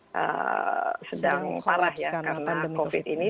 sedang collapse karena covid ini